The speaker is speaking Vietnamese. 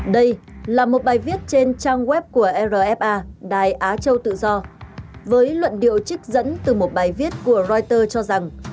đây là một bài viết trên trang web của rfa đài á châu tự do với luận điệu trích dẫn từ một bài viết của reuters cho rằng